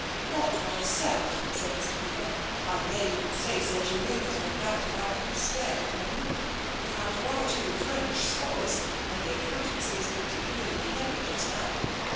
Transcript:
" Not myself/' said Mr. Cooper. " I may even say, Sir Julian, that I doubt if I could be spared at the moment. We have one or two French scholars, and the accountancy is particularly heavy just now.